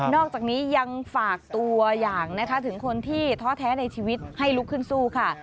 อกจากนี้ยังฝากตัวอย่างนะคะถึงคนที่ท้อแท้ในชีวิตให้ลุกขึ้นสู้ค่ะ